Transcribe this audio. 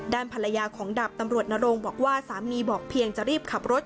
ด้านภรรยาของดาบตำรวจนโรงบอกว่าสามีบอกเพียงจะรีบขับรถ